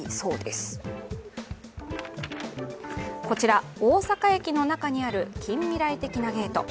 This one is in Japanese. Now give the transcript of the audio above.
こちら、大阪駅の中にある近未来的なゲート。